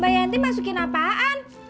mbak yanti masukin apaan